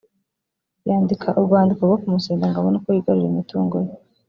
yandika urwandiko rwo kumusenda ngo abone uko yigarurira imitungo ye